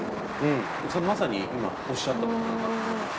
まさに今おっしゃったことだなと思いました。